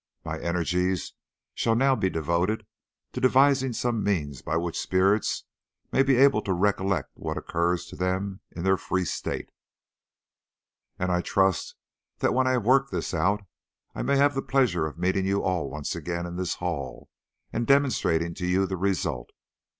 My energies shall now be devoted to devising some means by which spirits may be able to recollect what occurs to them in their free state, and I trust that when I have worked this out, I may have the pleasure of meeting you all once again in this hall, and demonstrating to you the result."